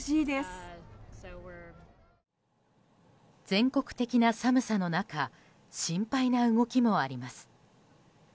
全国的な寒さの中心配な動きもあります。